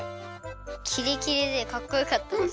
キレキレでかっこよかったです。